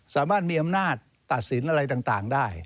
สามารถมีอำนาจตัดสินอะไรต่างได้